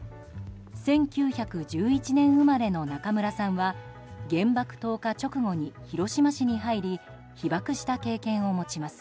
１９１１年生まれの中村さんは原爆投下直後に広島市に入り被爆した経験を持ちます。